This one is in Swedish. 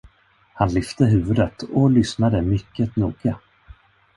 Han lyfte huvudet och lyssnade mycket noga.